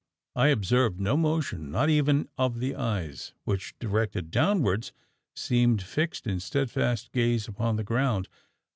I observed no motion not even of the eyes; which, directed downwards, seemed fixed in steadfast gaze upon the ground.